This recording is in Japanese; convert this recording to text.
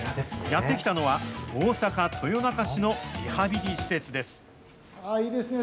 やって来たのは、大阪・豊中市のリハビリ施設です。